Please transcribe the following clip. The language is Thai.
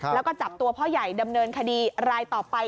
แล้วก็จับตัวพ่อใหญ่ดำเนินคดีรายต่อไป